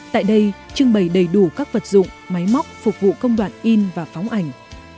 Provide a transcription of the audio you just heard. tại đây trưng bày đầy đủ các vật dụng máy móc phục vụ công đoạn in và phóng ảnh